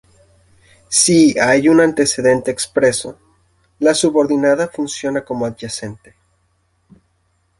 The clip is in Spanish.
Si hay un antecedente expreso, la subordinada funciona como adyacente.